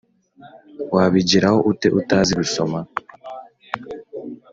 Wabigeraho ute utazi gusoma?